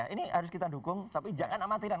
ini harus kita dukung tapi jangan amatiran